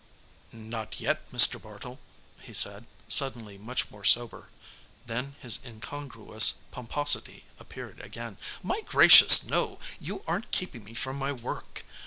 "Not yet, Mr. Bartle," he said, suddenly much more sober. Then his incongruous pomposity appeared again. "My gracious, no, you aren't keeping me from my work.